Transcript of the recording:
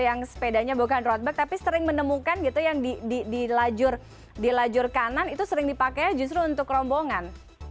yang sepedanya bukan road bike tapi sering menemukan gitu yang di lajur kanan itu sering dipakai justru untuk rombongan